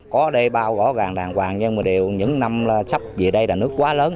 có đê bao gõ gàng đàng hoàng nhưng mà điều những năm sắp về đây là nước quá lớn